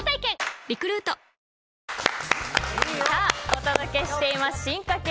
お届けしています進化系